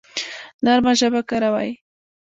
نرمه ژبه کاروئ